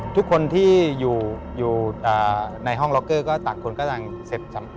ทุกคนที่อยู่ในห้องล็อคเกอร์ก็ตากคนกำลังเสร็จ